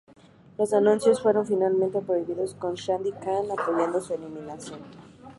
Los anuncios fueron finalmente prohibidos, con Sadiq Khan apoyando su eliminación.